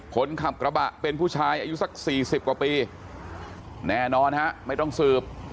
คนขับกระบะเป็นผู้ชายอายุสักสี่สิบกว่าปีแน่นอนฮะไม่ต้องสืบ